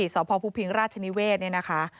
สหพภูมิภิงราชนิเวทร์ที่นี่นะคะ